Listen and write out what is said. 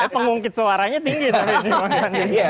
pengungkit suaranya tinggi